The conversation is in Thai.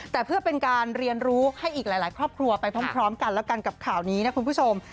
แต่เพื่อเป็นการเรียนรู้ให้อีกหลายครอบครัวไปพร้อมกันแล้วกันกับข่าวนี้นะคุณผู้ชม